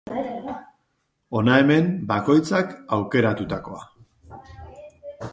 Hona hemen bakoitzak aukeratutakoa.